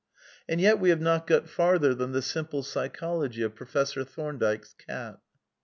And yet we have not got farther than the simple psy chology of Professor Thomdike's Cat.